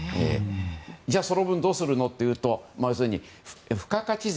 じゃあその分どうするかというと付加価値税